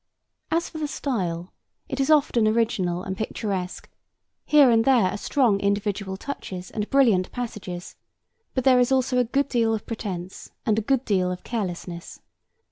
As for the style, it is often original and picturesque; here and there are strong individual touches and brilliant passages; but there is also a good deal of pretence and a good deal of carelessness.